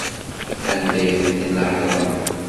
Anda ay tent-tnehṛem?